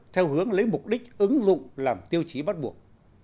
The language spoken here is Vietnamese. theo hướng lấy mục đích ứng dụng làm tiêu chí bắt buộc